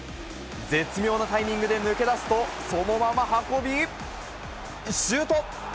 絶妙なタイミングで抜け出すと、そのまま運び、シュート。